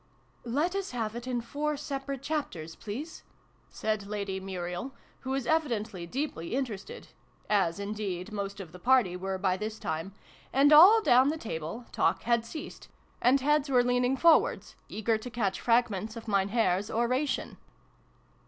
" Let us have it in four separate Chapters, please !" said Lady Muriel, who was evidently deeply interested as, indeed, most of the party were, by this time : and, all down the table, talk had ceased, and heads were leaning forwards, eager to catch fragments of Mein Herr's oration.